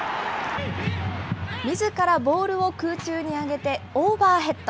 みずからボールを空中に上げてオーバーヘッド。